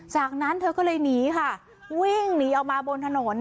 จากนั้นเธอก็เลยหนีค่ะวิ่งหนีออกมาบนถนน